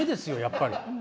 やっぱり。